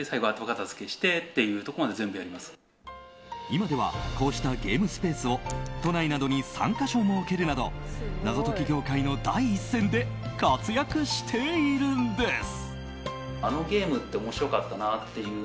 今ではこうしたゲームスペースを都内などに３か所設けるなど謎解き業界の第一線で活躍しているんです。